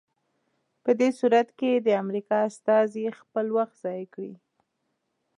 په دې صورت کې د امریکا استازي خپل وخت ضایع کړی.